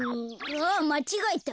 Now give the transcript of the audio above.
あっまちがえた。